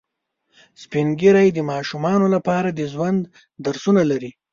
سپین ږیری د ماشومانو لپاره د ژوند درسونه لري